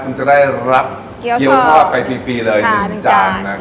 คุณจะได้รับเกลียวทอดไปฟรีเลย๑จาน